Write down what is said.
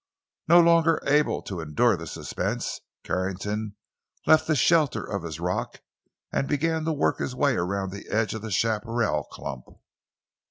No longer able to endure the suspense, Carrington left the shelter of his rock and began to work his way around the edge of the chaparral clump.